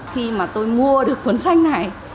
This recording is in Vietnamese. khi mà tôi mua được cuốn sách này